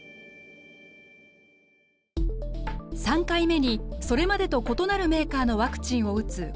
３回目にそれまでと異なるメーカーのワクチンを打つ